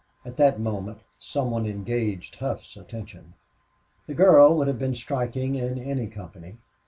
At that moment some one engaged Hough's attention. The girl would have been striking in any company.